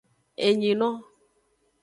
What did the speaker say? Enyino.